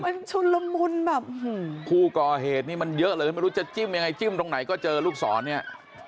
มันชุนละมุนแบบผู้ก่อเหตุนี่มันเยอะเลยไม่รู้จะจิ้มยังไงจิ้มตรงไหนก็เจอลูกศรเนี่ย